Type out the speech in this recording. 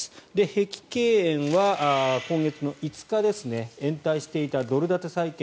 碧桂園は今月５日延滞していたドル建て債券